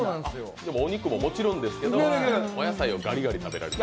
お肉ももちろんですけど、お野菜もガリガリ食べられる。